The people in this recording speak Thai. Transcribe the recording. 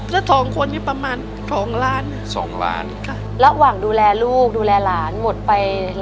ถ้าสองคนอยู่ประมาณสองล้านสองล้านค่ะ